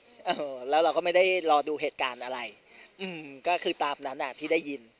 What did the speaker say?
เออแล้วเราก็ไม่ได้รอดูเหตุการณ์อะไรอืมก็คือตามนั้นอ่ะที่ได้ยิน